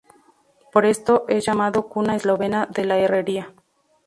Por esto es llamado "cuna eslovena de la herrería".